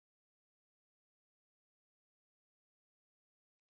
sayang mama sama papa sama oma itu lagi ada urusan dulu